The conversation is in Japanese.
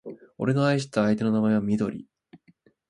俺の愛した相手の名前はみどり